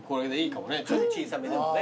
ちょっと小さめでもね。